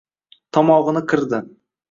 Tomog‘ini qirdi.